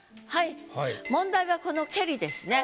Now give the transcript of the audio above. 問題はこの「けり」ですね。